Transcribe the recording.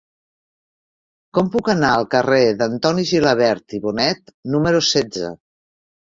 Com puc anar al carrer d'Antoni Gilabert i Bonet número setze?